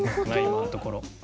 今のところ。